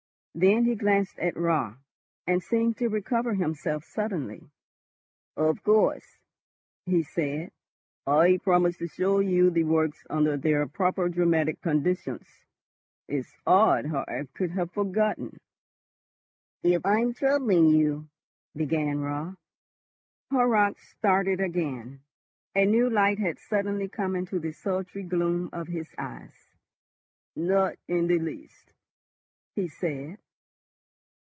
Then he glanced at Raut, and seemed to recover himself suddenly. "Of course," he said, "I promised to show you the works under their proper dramatic conditions. It's odd how I could have forgotten." "If I am troubling you—" began Raut. Horrocks started again. A new light had suddenly come into the sultry gloom of his eyes. "Not in the least," he said.